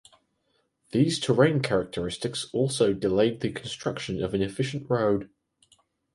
These terrain characteristics also delayed the construction of an efficient road.